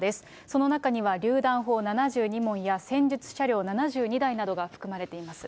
その中にはりゅう弾砲７２門や、戦術車両７２台などが含まれています。